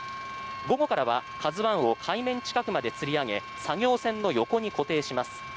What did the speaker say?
午後からは「ＫＡＺＵ１」を海面近くまでつり上げ作業船の横に固定します。